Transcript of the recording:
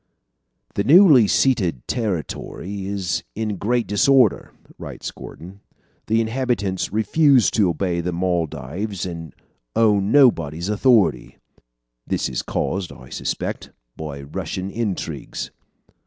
"The newly ceded territory is in great disorder," writes Gordon. "The inhabitants refuse to obey the Moldaves and own nobody's authority. This is caused, I suspect, by Russian intrigues."